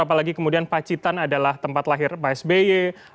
apalagi kemudian pacitan adalah tempat lahir pak sby